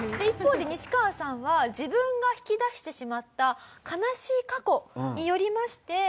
一方でニシカワさんは自分が引き出してしまった悲しい過去によりまして。